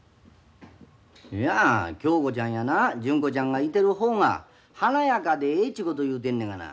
いや恭子ちゃんやな純子ちゃんがいてる方が華やかでええちゅうこと言うてんのやがな。